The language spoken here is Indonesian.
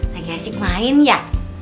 lagi asik main ya